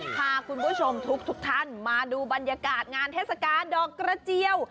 พาคุณผู้ชมทุกท่านมาดูบรรยากาศงานเทศกาลดอกกระเจียว